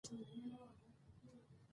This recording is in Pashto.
شرقي ملت تر غربي دولت بری موندلی وو.